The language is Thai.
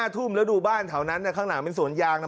ทุ่มแล้วดูบ้านแถวนั้นข้างหลังเป็นสวนยางนะ